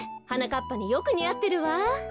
はなかっぱによくにあってるわ。